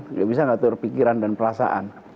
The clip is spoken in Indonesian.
nggak bisa mengatur pikiran dan perasaan